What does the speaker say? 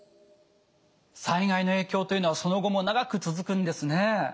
災害の影響というのはその後も長く続くんですね。